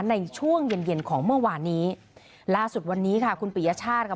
ในช่วงเย็นเย็นของเมื่อวานนี้ล่าสุดวันนี้ค่ะคุณปิยชาติค่ะ